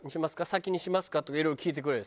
先にしますか？」とかいろいろ聞いてくれる。